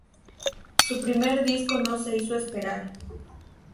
Su primer disco no se hizo esperar.